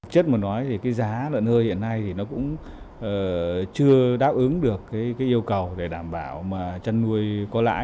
chết mà nói thì cái giá lợn hơi hiện nay thì nó cũng chưa đáp ứng được yêu cầu để đảm bảo mà chăn nuôi có lãi